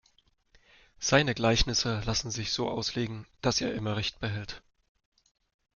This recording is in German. Seine Gleichnisse lassen sich so auslegen, dass er immer Recht behält.